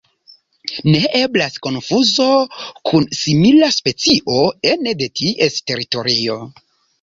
Ne eblas konfuzo kun simila specio ene de ties teritorio.